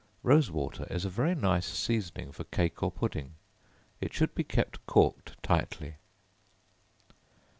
Rose water is a very nice seasoning for cake or pudding; it should be kept corked tightly.